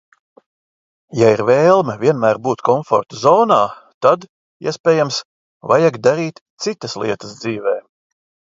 Ja ir vēlme vienmēr būt komforta zonā, tad, iespējams, vajag darīt citas lietas dzīvē.